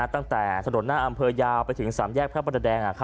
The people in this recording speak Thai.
ตั้งแต่ถนนหน้าอำเภอยาวไปถึง๓แยกพระประแดง